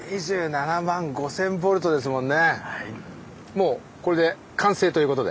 もうこれで完成ということで。